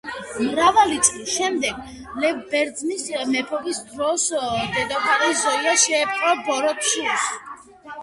მრავალი წლის შემდეგ, ლევ ბრძენის მეფობის დროს, დედოფალი ზოია შეეპყრო ბოროტ სულს.